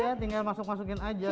iya tinggal masuk masukin aja